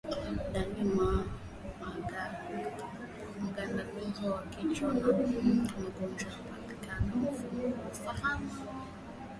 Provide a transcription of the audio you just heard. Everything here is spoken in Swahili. Dalili za mgandamizo wa kichwa ni magonjwa yanayoathiri mfumo wa fahamu